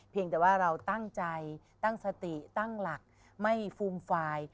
แต่ว่าเราตั้งใจตั้งสติตั้งหลักไม่ฟูมฟาย